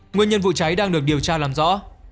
nguyên nhân vụ cháy đang được điều tra làm rõ